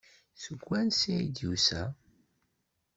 Seg wansi ay d-yusa?